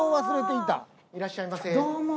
いらっしゃいませ。